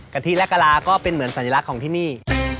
ทิและกะลาก็เป็นเหมือนสัญลักษณ์ของที่นี่